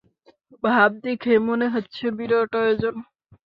তাব দেখে মনে হচ্ছে-বিরাট আয়োজন।